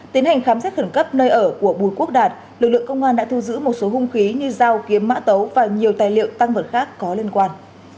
tiến hành khám xét khẩn cấp nơi ở của bùi quốc đạt lực lượng công an đã thu giữ một số hung khí như dao kiếm mã tấu và nhiều tài liệu tăng vật khác có liên quan